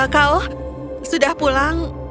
kau sudah pulang